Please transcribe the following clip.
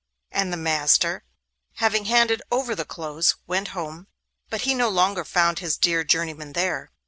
And the master, having handed over the clothes, went home, but he no longer found his dear journeyman there.